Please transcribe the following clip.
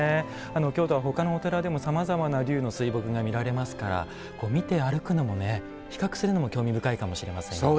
京都はほかのお寺でもさまざまな龍の水墨画見られますから見て歩くのもね比較するのも興味深いかもしれませんよね。